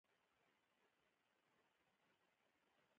پادري ته یې وکتل او چغه يې پرې وکړل.